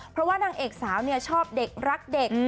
เพราะว่านางเอกสาวชอบเด็กรักเด็ก